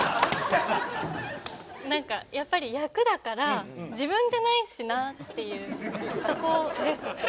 何かやっぱり役だから自分じゃないしなっていうそこですね。